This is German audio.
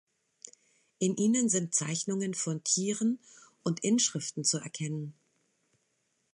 In ihnen sind Zeichnungen von Tieren und Inschriften zu erkennen.